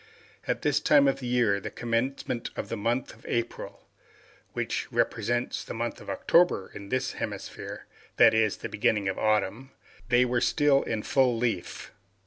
At this time of the year, the commencement of the month of April, which represents the month of October, in this hemisphere, that is, the beginning of autumn, they were still in full leaf.